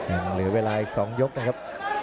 ยังเหลือเวลาอีก๒ยกนะครับ